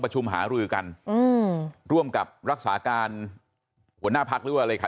หารือกันร่วมกับรักษาการหัวหน้าพักหรือว่าอะไรคะ